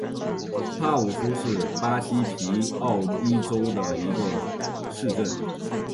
帕武苏是巴西皮奥伊州的一个市镇。